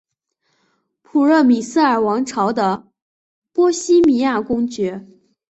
普热米斯尔王朝的波希米亚公爵。